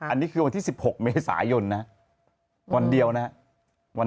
อันนี้คือวันที่๑๖เมษายนนะวันเดียวนะครับ